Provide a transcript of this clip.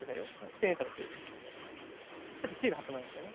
千円札さっきシール貼ってもらいましたよね